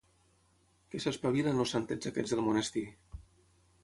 Que s'espavilin els santets aquests del monestir.